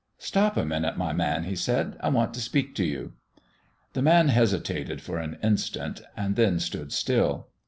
"Stop a minute, my man," he said; "I want to speak to you." The man hesitated for an instant and then stood still.